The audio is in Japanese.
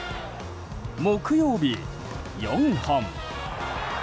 木曜日、４本。